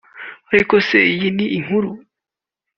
Ariko se iyi ni inkuru